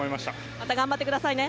また頑張ってくださいね。